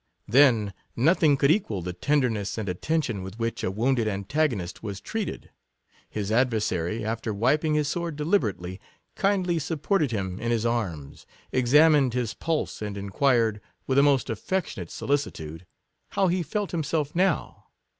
Then nothing could equal the tender ness and attention with which & wounded antagonist was treated ; his adversary, after wiping his sword deliberately, kindly sup ported him in his arms, examined his pulse, 67 and inquired, with the most affectionate so licitude, " how he felt himself now